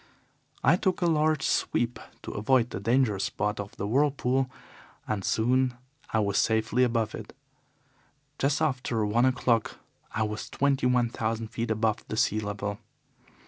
I took a large sweep to avoid the danger spot of the whirlpool, and soon I was safely above it. Just after one o'clock I was twenty one thousand feet above the sea level.